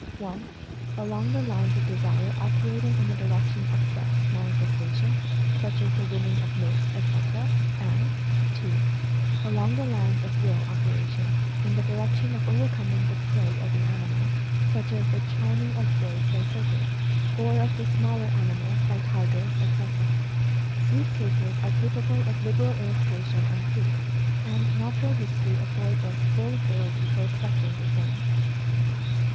(1) along the lines of Desire operating in the direction of Sex manifestation, such as the winning of mates, etc. ; and (2) along the lines of Will operation in the direction of overcoming the Prey of the animal, such as the "charming" of birds by serpents, or of smaller animals by tigers, etc. These cases are capable of liberal illustration and proof, and natural history affords us full authority for accepting the same.